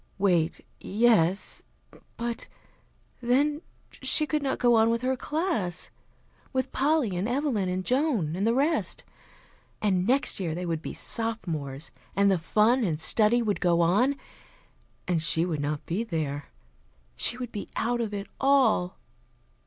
Wait yes but then she could not go on with her class with Polly and Evelyn and Joan and the rest. And next year they would be Sophomores and the fun and study would go on, and she would not be there; she would be out of it all.